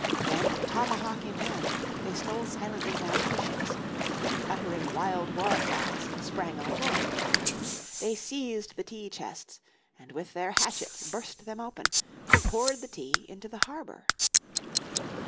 Then, tomahawk in hand, they stole silently down to the ships, and uttering wild war cries sprang on board. They seized the tea chests and with their hatchets burst them open, and poured the tea into the harbour.